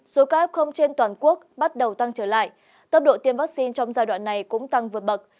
số ca f trên toàn quốc bắt đầu tăng trở lại tốc độ tiêm vaccine trong giai đoạn này cũng tăng vượt bậc